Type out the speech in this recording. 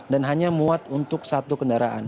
dan hanya muat untuk satu kendaraan